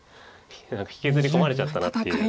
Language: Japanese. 引きずり込まれちゃったなっていう。